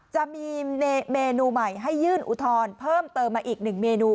จะมีเมนูใหม่ให้ยื่นอุทธรณ์เพิ่มเติมมาอีกหนึ่งเมนู